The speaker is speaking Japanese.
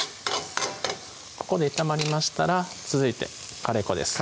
ここで炒まりましたら続いてカレー粉です